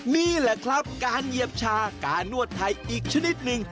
นี่แหละครับการเหยียบชาการนวดไทยอีกชนิดหนึ่ง